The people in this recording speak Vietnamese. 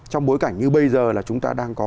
trong bối cảnh như bây giờ là chúng ta đang có